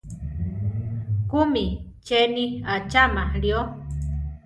¿Kúmi cheni acháma lío?